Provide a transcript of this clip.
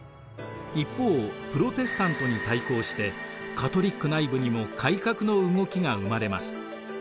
一方プロテスタントに対抗してカトリック内部にも改革の動きが生まれます。